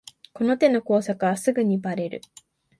この手の工作はすぐにバレる